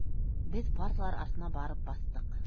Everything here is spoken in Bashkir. Беҙ парталар артына барып баҫтыҡ.